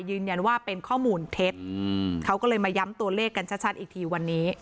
ยืนยันว่าเป็นข้อมูลเท็จเขาก็เลยมาย้ำตัวเลขกันชัดอีกทีวันนี้